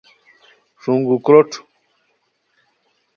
ݰونگو کروٹ